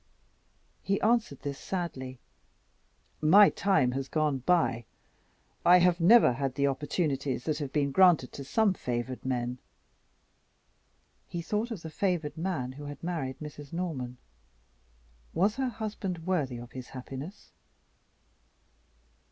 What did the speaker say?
He answered this sadly. "My time has gone by. I have never had the opportunities that have been granted to some favored men." He thought of the favored man who had married Mrs. Norman. Was her husband worthy of his happiness?